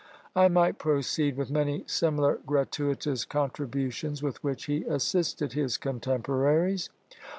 I might proceed with many similar gratuitous contributions with which he assisted his contemporaries.